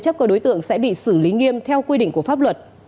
chắc cơ đối tượng sẽ bị xử lý nghiêm theo quy định của pháp luật